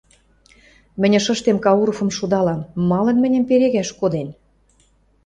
Мӹнь ышыштем Кауровым шудалам: малын мӹньӹм перегӓш коден?